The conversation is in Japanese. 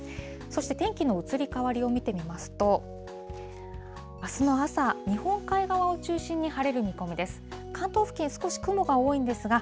そして、天気の移り変わりを見てみますと、あすの朝、日本海側を中心に晴れる見込みです。